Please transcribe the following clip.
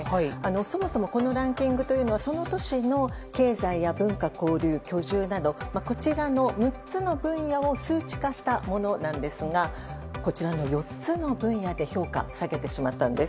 そもそもこのランキングというのはその都市の経済や文化・交流、居住など６つの分野を数値化したものですがこちらの４つの分野で評価を下げてしまったんです。